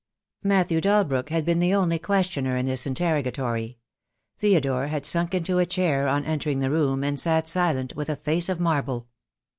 Matthew Dalbrook had been the only questioner in this interrogatory. Theodore had sunk into a chair on entering the room, and sat silent, with a face of marble.